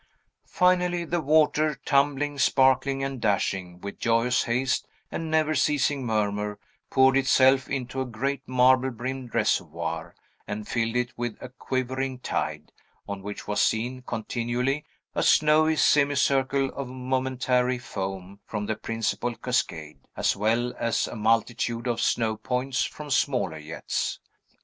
Finally, the water, tumbling, sparkling, and dashing, with joyous haste and never ceasing murmur, poured itself into a great marble brimmed reservoir, and filled it with a quivering tide; on which was seen, continually, a snowy semicircle of momentary foam from the principal cascade, as well as a multitude of snow points from smaller jets.